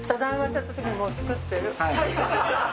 はい。